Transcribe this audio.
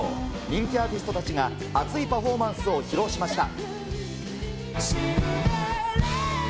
人気アーティストたちが熱いパフォーマンスを披露しました。